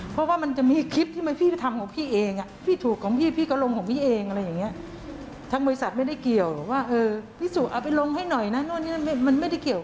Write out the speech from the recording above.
ถ้ามันผิดกฎหมายหรือไม่ถูกต้องเราก็ไม่ทำอยู่แล้ว